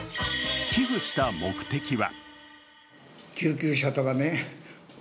寄付した目的は？